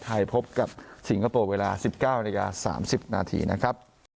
ไทยพบกับสิงคโปร์เวลา๑๙นาที๓๐นาทีนะครับ